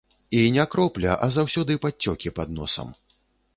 І не кропля, а заўсёды падцёкі пад носам.